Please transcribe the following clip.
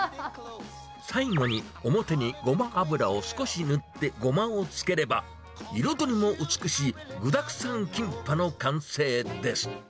最後に、表にごま油を少し塗って、ごまをつければ、彩りも美しい、具だくさんキンパの完成です。